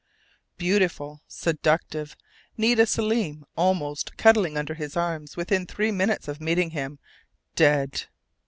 Beautiful, seductive Nita Selim, almost cuddling under his arm within three minutes of meeting him dead!